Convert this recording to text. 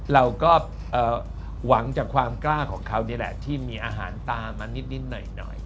เราก็หวังจากความกล้าของเขานี่แหละที่มีอาหารตามมานิดหน่อย